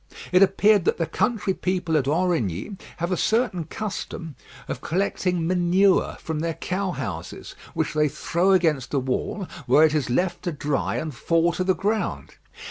It appeared that the country people at Aurigny have a certain custom of collecting manure from their cow houses, which they throw against a wall, where it is left to dry and fall to the ground.